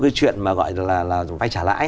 cái chuyện mà gọi là vay trả lãi